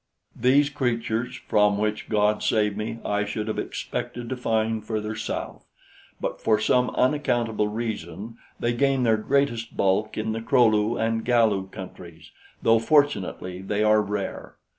These creatures, from which God save me, I should have expected to find further south; but for some unaccountable reason they gain their greatest bulk in the Kro lu and Galu countries, though fortunately they are rare.